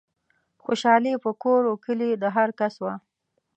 خوشحالي په کور و کلي د هرکس وه